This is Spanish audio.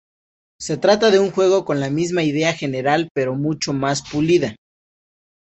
Se trata de un juego con la misma idea general, pero mucho más pulida.